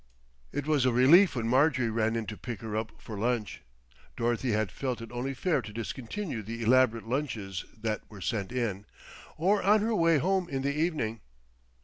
It was a relief when Marjorie ran in to pick her up for lunch Dorothy had felt it only fair to discontinue the elaborate lunches that were sent in or on her way home in the evening.